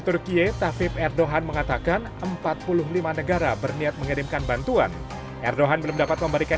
turkiye tafib erdogan mengatakan empat puluh lima negara berniat mengirimkan bantuan erdogan belum dapat memberikan